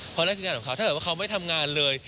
เพราะนั่นคืองานของเขาถ้าเกิดว่าเขาไม่ทำงานเลย